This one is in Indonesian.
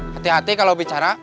hati hati kalau bicara